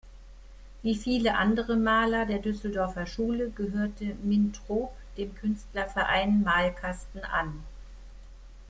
Wie viele andere Maler der Düsseldorfer Schule gehörte Mintrop dem Künstlerverein Malkasten an.